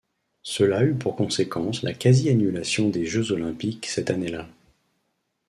Cela eut pour conséquence la quasi-annulation des Jeux olympiques cette année-là.